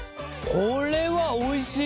これはおいしい。